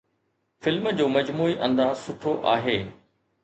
film جو مجموعي انداز سٺو آهي